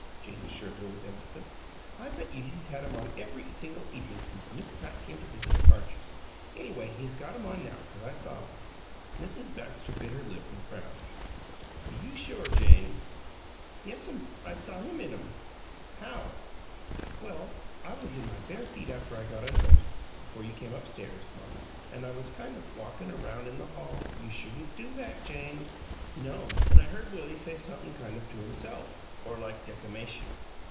Jane assured her with emphasis. "I bet you he's had 'em on every single evening since Miss Pratt came to visit the Parchers! Anyway, he's got 'em on now, 'cause I saw 'em." Mrs. Baxter bit her lip and frowned. "Are you sure, Jane?" "Yes'm. I saw him in 'em." "How?" "Well, I was in my bare feet after I got undressed before you came up stairs mamma, an' I was kind of walkin' around in the hall " "You shouldn't do that, Jane." "No'm. An' I heard Willie say somep'm kind of to himself, or like deckamation.